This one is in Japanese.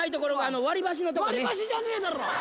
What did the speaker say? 割り箸じゃねぇだろ！